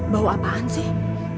bawa apaan sih